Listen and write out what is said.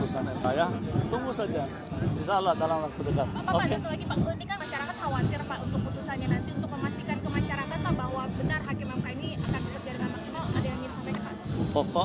pak ini kan masyarakat khawatir pak untuk putusannya nanti untuk memastikan ke masyarakat bahwa benar hakim mk ini akan dipertimbangkan maksimal